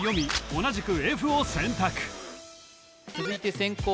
同じくＦを選択続いて先攻